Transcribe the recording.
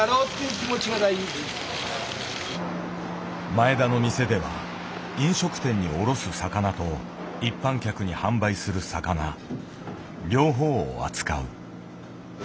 前田の店では飲食店に卸す魚と一般客に販売する魚両方を扱う。